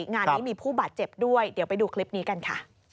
งานนี้มีผู้บาดเจ็บด้วยเดี๋ยวไปดูคลิปนี้กันค่ะ